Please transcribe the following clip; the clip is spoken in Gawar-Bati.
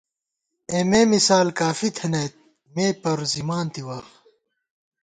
اېمے مثال کافی تھنَئیت ، مے پروزِمان تِوَہ